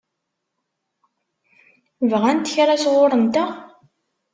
Bɣant kra sɣur-nteɣ?